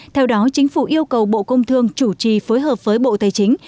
theo đó chính phủ yêu cầu bộ công thương chủ trì phối hợp với bộ tài chính